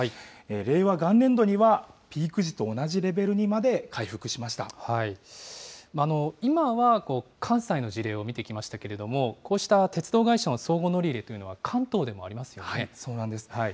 令和元年度には、ピーク時と同じ今は、関西の事例を見てきましたけれども、こうした鉄道会社の相互乗り入れというのは関東でそうなんです。